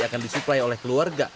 akan disuplai oleh keluarga